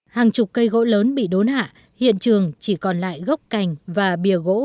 hàng chục cây gỗ lớn bị đốn hạ hiện trường chỉ còn lại gốc cành và bìa gỗ